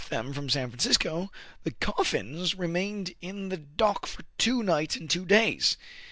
them from San Francisco, the coffins had remained in the dock for two nights and two days.